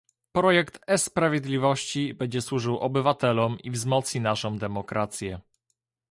Projekt e-sprawiedliwości będzie służył obywatelom i wzmocni naszą demokrację